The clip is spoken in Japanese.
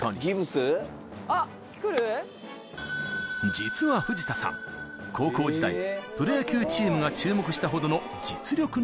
［実は藤田さん高校時代プロ野球チームが注目したほどの実力の持ち主］